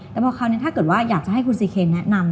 แต่พอคาวเนี้ยถ้าก็อยากจะให้คุณสิเคนั้น